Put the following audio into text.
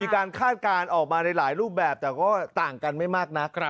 คาดการณ์ออกมาในหลายรูปแบบแต่ก็ต่างกันไม่มากนัก